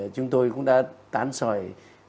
chúng tôi cũng đã tán sỏi